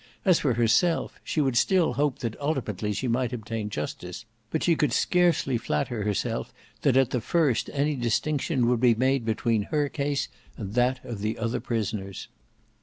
As for herself, she would still hope that ultimately she might obtain justice, but she could scarcely flatter herself that at the first any distinction would be made between her case and that of the other prisoners.